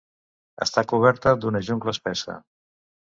Està coberta d'una jungla espessa.